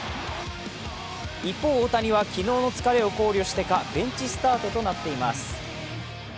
一方、大谷は昨日の疲れを考慮してかベンチスタートとなっています。